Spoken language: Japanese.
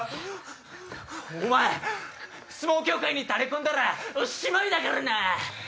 おまえ相撲協会にタレ込んだらしまいだからな！